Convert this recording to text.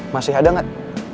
masih ada gak